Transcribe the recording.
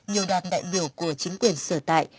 nhiều đảng đại biểu của chính quyền sở tại